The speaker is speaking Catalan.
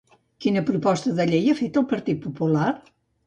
Quina proposta de llei ha fet el Partit Popular?